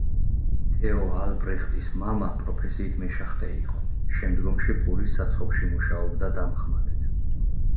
თეო ალბრეხტის მამა პროფესიით მეშახტე იყო, შემდგომში პურის საცხობში მუშაობდა დამხმარედ.